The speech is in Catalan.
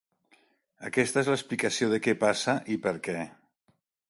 Aquesta és l’explicació de què passa i per què.